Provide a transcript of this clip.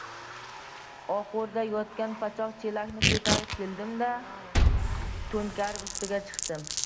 Oxurda yotgan pachoq chelakni ko‘tarib keldim-da, to‘nkarib ustiga chiqdim.